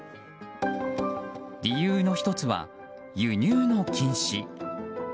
理由の１つは輸入の禁止。